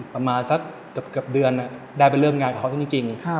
ประมาณสักเกือบเดือนได้ไปเริ่มงานกับเขาจริง